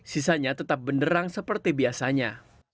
sisanya tetap benderang seperti biasanya